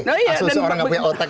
asal seorang nggak punya otak